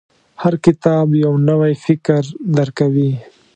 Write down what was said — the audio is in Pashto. • هر کتاب، یو نوی فکر درکوي.